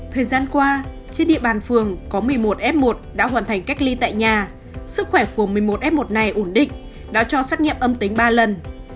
thời gian qua trên địa bàn phường có một mươi một f một đã hoàn thành cách ly tại nhà sức khỏe của một mươi một f một này ổn định đã cho xét nghiệm âm tính ba lần